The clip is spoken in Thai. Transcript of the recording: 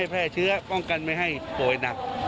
ป้องกันไม่ให้โปรยหนัก